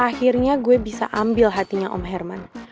akhirnya gue bisa ambil hatinya om herman